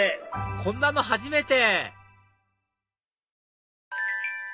こんなの初めて！